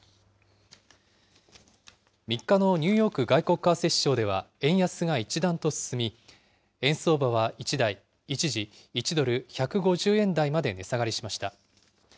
３日のニューヨーク外国為替市場では、円安が一段と進み、円相場は一時、１ドル１５０円台まで値下がりしました。